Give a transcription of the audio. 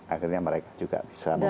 akhirnya mereka juga bisa